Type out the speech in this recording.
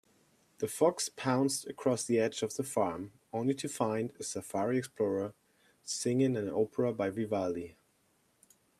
The fox pounced across the edge of the farm, only to find a safari explorer singing an opera by Vivaldi.